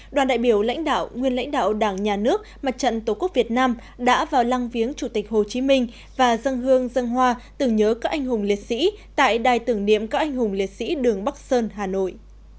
đoàn đại biểu lãnh đạo nguyên lãnh đạo đảng nhà nước mặt trận tổ quốc việt nam đã vào lăng viếng chủ tịch hồ chí minh và dân hương dân hoa tưởng nhớ các anh hùng liệt sĩ tại đài tưởng niệm các anh hùng liệt sĩ đường bắc sơn hà nội